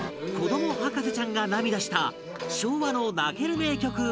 子ども博士ちゃんが涙した昭和の泣ける名曲